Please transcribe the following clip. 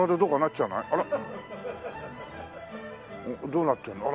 どうなってんの？